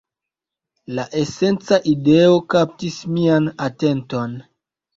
La esenca ideo kaptis mian atenton